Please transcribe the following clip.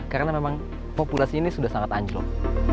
karena memang populasi ini sudah sangat anjlok